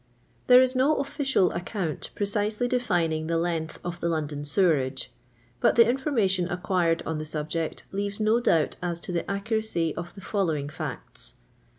TiiEi.E is T\r\ oiruial account precisely defining the length of the London Jit wera^'e ; but tin* iniorma tion .'icqiiiroil en the subject leaves no doubt as to the ac( uracy of the following facts.